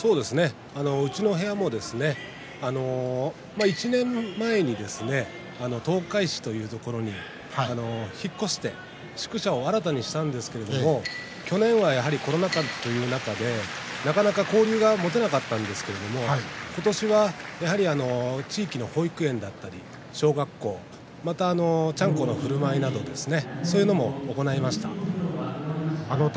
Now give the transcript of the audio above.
うちの部屋も１年前にですね東海市というところに引っ越して宿舎を新たにしたんですけれども去年はコロナ禍という中でなかなか交流が持てなかったんですけれども今年は地域の保育園だったり小学校ちゃんこのふるまいとかそういうのを行いました。